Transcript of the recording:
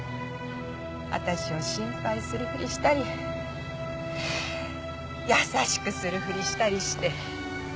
わたしを心配するふりしたり優しくするふりしたりして